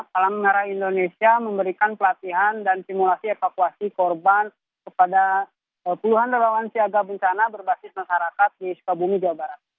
palang merah indonesia memberikan pelatihan dan simulasi evakuasi korban kepada puluhan relawan siaga bencana berbasis masyarakat di sukabumi jawa barat